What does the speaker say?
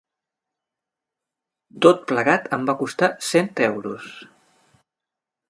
Tot plegat em va costar cent euros.